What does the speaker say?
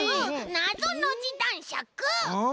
なぞノジだんしゃく！